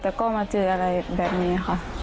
แต่ก็มาเจออะไรแบบนี้ค่ะ